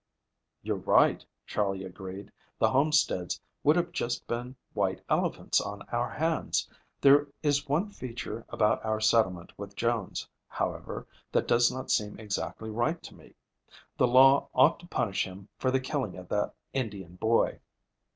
"You're right," Charley agreed. "The homesteads would have just been white elephants on our hands. There is one feature about our settlement with Jones, however, that does not seem exactly right to me. The law ought to punish him for the killing of that Indian boy."